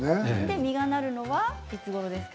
実がなるのはいつごろですか？